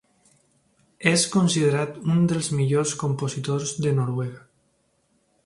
És considerat un dels millors compositors de Noruega.